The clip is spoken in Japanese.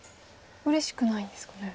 うれしくないんですかね。